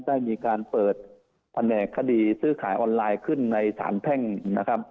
ได้มีการเปิดแผนกคดีซื้อขายออนไลน์ขึ้นในสารแพ่งนะครับ